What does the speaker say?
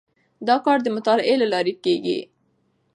دا کار د مطالعې له لارې کیږي.